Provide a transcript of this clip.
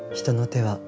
人の手は。